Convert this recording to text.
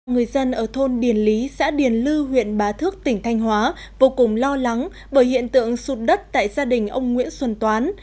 người dân ở thôn điền lý xã điền lư huyện bá thước tỉnh thanh hóa vô cùng lo lắng bởi hiện tượng sụt đất tại gia đình ông nguyễn xuân toán